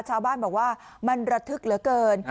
ชาวบ้านบอกว่ามันระทึกเหลือเกิน